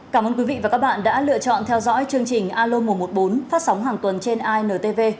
cảm ơn quý vị và các bạn đã lựa chọn theo dõi chương trình alo một trăm một mươi bốn phát sóng hàng tuần trên intv